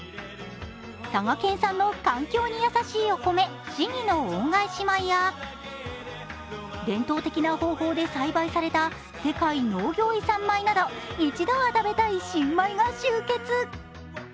佐賀県産の環境に優しいお米、シギの恩返し米や伝統的な方法で栽培された世界農業遺産米など一度は食べたい新米が集結。